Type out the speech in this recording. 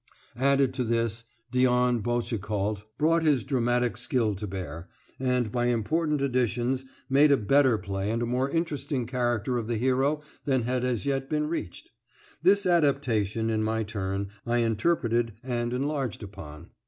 Added to this, Dion Boucicault brought his dramatic skill to bear, and by important additions made a better play and a more interesting character of the hero than had as yet been reached. This adaptation, in my turn, I interpreted and enlarged upon.